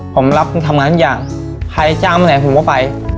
ผมรับทำงานทุกอย่างใครจ้างมาไหนผมก็ไป